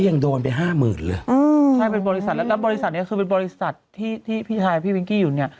ยังโดนไปห้าหมื่นเลยเออใช่เป็นบริษัทแล้วแล้วบริษัทเนี้ยคือเป็นบริษัทที่ที่พี่ชายพี่วิงกี้อยู่เนี่ย